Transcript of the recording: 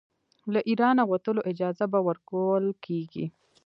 له اېرانه وتلو اجازه به ورکوله کیږي.